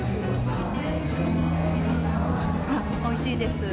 あっ、おいしいです。